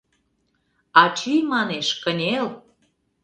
— Ачий, манеш, кынел!